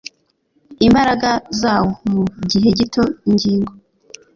imbaraga zawo Mu gihe gito ingingo